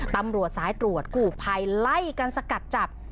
ตำรวจสายตรวจกู่ภัยไล่กันสกัดจับ